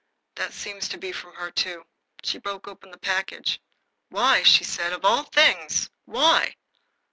That seems to be from her, too." She broke open the package. "Why!" said she, "of all things! Why!"